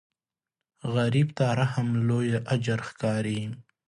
غریب ته رحم لوی اجر ښکاري